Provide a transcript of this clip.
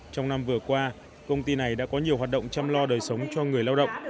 trong năm vừa qua công ty này đã có nhiều hoạt động chăm lo đời sống cho người lao động